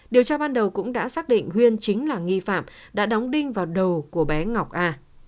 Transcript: điều tra ban đầu cũng đã xác định huyên chính là nghi phạm đã đóng đinh vào đầu của bé ngọc a